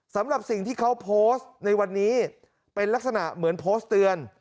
สำหรับสิ่งที่เขาโพสต์ในวันนี้เป็นลักษณะเหมือนโพสต์เตือน